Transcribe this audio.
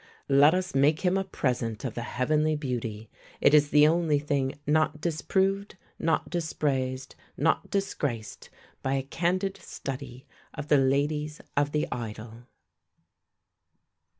Let us make him a present of the heavenly beauty. It is the only thing not disproved, not dispraised, not disgraced, by a candid study of the Ladies of the Idyll.